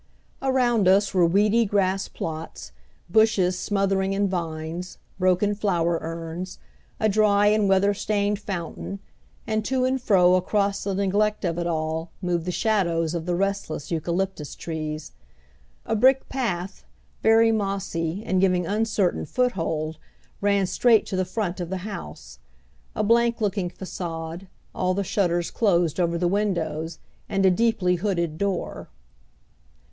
Around us were weedy grass plots, bushes smothering in vines, broken flower urns, a dry and weather stained fountain; and to and fro across the neglect of it all moved the shadows of the restless eucalyptus trees. A brick path, very mossy and giving uncertain foothold, ran straight to the front of the house a blank looking façade, all the shutters closed over the windows, and a deeply hooded door.